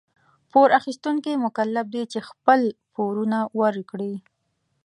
پور اخيستونکي مکلف دي چي خپل پورونه ورکړي.